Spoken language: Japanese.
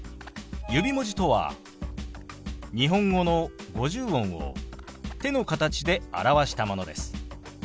指文字とは日本語の五十音を手の形で表したものです。